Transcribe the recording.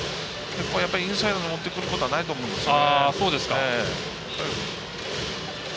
インサイドに持ってくることはないと思うんですね。